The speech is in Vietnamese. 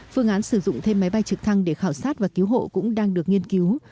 phương án sử dụng thêm máy bay trực thăng để khảo sát và cứu hộ cũng đang được nghiên cứu